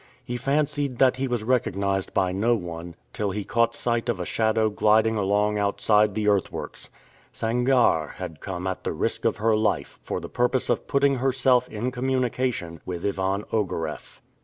He fancied that he was recognized by no one, till he caught sight of a shadow gliding along outside the earthworks. Sangarre had come at the risk of her life for the purpose of putting herself in communication with Ivan Ogareff.